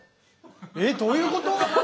えっどういうこと！？